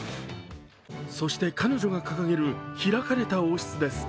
そして彼女が掲げる開かれた王室です。